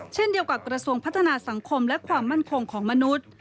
เช่นเดียวกับกระทรวงพัฒนาสังคมและความมั่นคงของมนุษย์